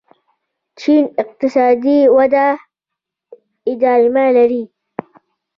چین اقتصادي وده ادامه لري.